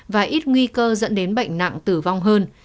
và ít nguy cơ dẫn đến bệnh nặng tử vong hơn